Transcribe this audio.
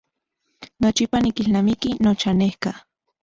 Nochipa nikilnamiki nochanejka.